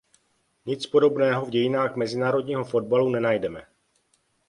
Nic podobného v dějinách mezinárodního fotbalu nenajdeme.